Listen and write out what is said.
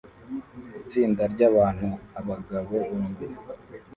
Itsinda ryabantu (abagabo bombi